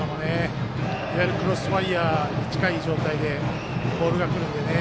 いわゆるクロスファイアーに近い状態でボールがくるのでね。